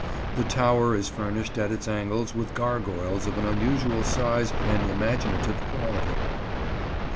The tower is furnished at its angles with gargoyles of an unusual size and imaginative quality.